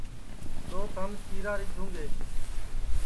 دؔوت ہم سِیرا رِیدھُوں گے